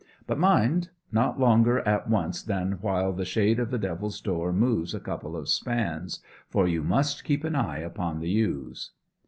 But mind, not longer at once than while the shade of the Devil's Door moves a couple of spans, for you must keep an eye upon the ewes.'